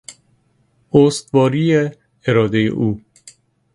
استواری ارادهی او